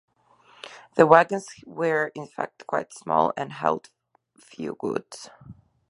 The wagons were, in fact, quite small and held few goods.